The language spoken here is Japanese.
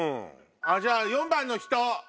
じゃあ４番の人！